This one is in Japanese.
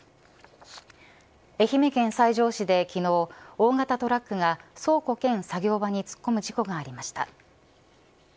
愛媛県西条市で昨日大型トラックが倉庫兼作業場に突っ込む事故がありました。